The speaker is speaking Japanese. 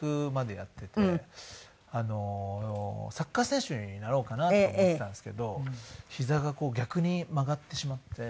サッカー選手になろうかなと思っていたんですけど膝が逆に曲がってしまって。